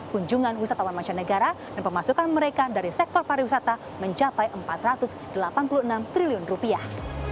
kunjungan wisatawan mancanegara dan pemasukan mereka dari sektor pariwisata mencapai empat ratus delapan puluh enam triliun rupiah